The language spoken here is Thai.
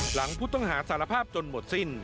หลังผู้ต้องหาสารภาพจนหมดสิ้น